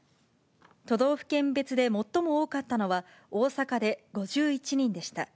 都道府県別で最も多かったのは、大阪で５１人でした。